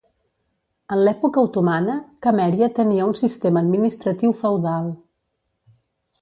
En l'època otomana, Camèria tenia un sistema administratiu feudal.